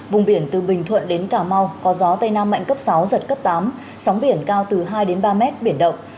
vùng biển từ bình thuận đến cà mau có gió tây nam mạnh cấp sáu giật cấp tám sóng biển cao từ hai ba mét biển động